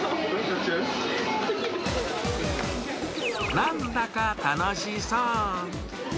なんだか楽しそう。